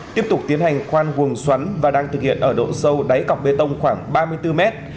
tiếp tục tiến hành khoan vuồng xoắn và đang thực hiện ở độ sâu đáy cọc bê tông khoảng ba mươi bốn mét